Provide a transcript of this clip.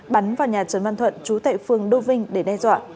bắn vào nhà trần văn thuận chú tại phương đô vinh